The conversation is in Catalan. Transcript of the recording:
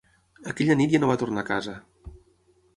Aquella nit ja no va tornar a casa.